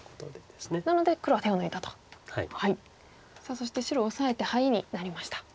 そして白オサえてハイになりました。